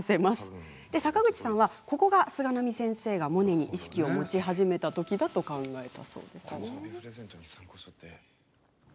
坂口さんは、ここが菅波先生がモネに意識を持ち始めたときだと考えたそうです。